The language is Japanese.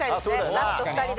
ラスト２人で。